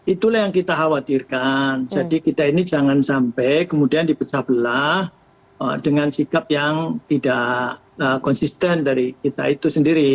itulah yang kita khawatirkan jadi kita ini jangan sampai kemudian dipecah belah dengan sikap yang tidak konsisten dari kita itu sendiri